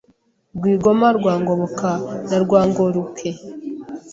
Rwigoma rwa Ngoboka na Rwangoruke